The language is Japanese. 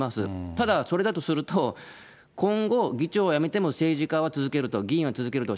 ただ、それだとすると、今後、議長をやめても政治家は続けると、議員は続けると。